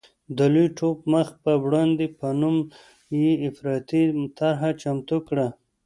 د لوی ټوپ مخ په وړاندې په نوم یې افراطي طرحه چمتو کړه.